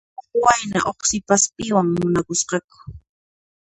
Huk wayna huk sipaspiwan munakusqaku.